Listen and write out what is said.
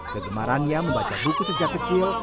kegemarannya membaca buku sejak kecil